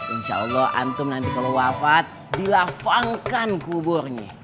insya allah antum nanti kalau wafat dilafangkan kuburnya